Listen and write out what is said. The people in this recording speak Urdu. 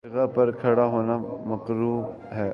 جگہ پر کھڑا ہونا مکروہ ہے۔